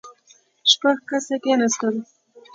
شپږ کسه کېناستل.